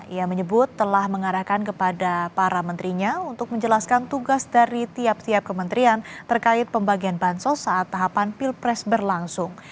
ia menyebut telah mengarahkan kepada para menterinya untuk menjelaskan tugas dari tiap tiap kementerian terkait pembagian bansos saat tahapan pilpres berlangsung